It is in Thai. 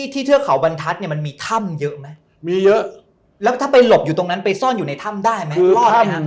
เทือกเขาบรรทัศน์เนี่ยมันมีถ้ำเยอะไหมมีเยอะแล้วถ้าไปหลบอยู่ตรงนั้นไปซ่อนอยู่ในถ้ำได้ไหมฮะ